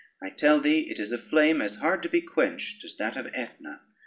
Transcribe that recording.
I tell thee, it is a flame as hard to be quenched as that of Aetna.